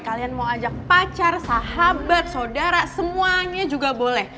kalian mau ajak pacar sahabat saudara semuanya juga boleh